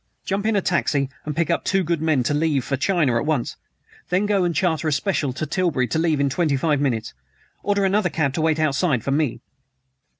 "Jump in a taxi and pick up two good men to leave for China at once! Then go and charter a special to Tilbury to leave in twenty five minutes. Order another cab to wait outside for me."